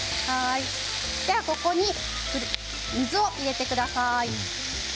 ここに水を入れてください。